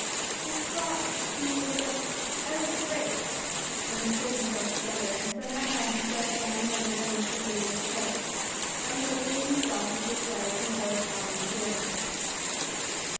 "I thought " mumbled Jasper, "I was afraid." Then he pulled himself together, and somehow found himself standing over by Mr. Faber's chair, unbosoming himself of his fright and corresponding joy.